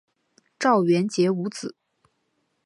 赵元杰无子。